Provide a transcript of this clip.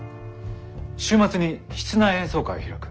週末に室内演奏会を開く。